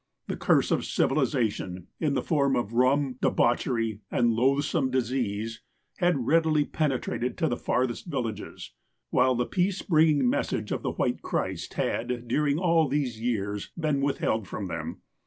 The curse of civilization, in the form of rum, de bauchery, and loathsome disease, had readily penetrated to the farthest villages, while the peace bringing message of the White Christ had, during all these years, been withheld from them.